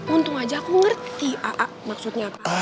untung aja aku ngerti a a maksudnya